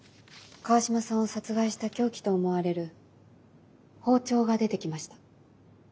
川島さんを殺害した凶器と思われる包丁が出てきました。